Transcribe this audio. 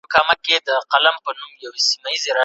سپورت کول د بدن لپاره ګټور دي.